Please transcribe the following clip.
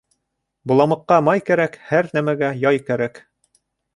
Боламыҡҡа май кәрәк, һәр нәмәгә яй кәрәк.